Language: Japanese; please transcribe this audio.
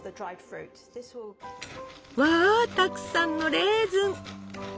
わたくさんのレーズン！